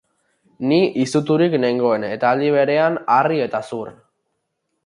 Ni izuturik nengoen, eta, aldi berean, harri eta zur.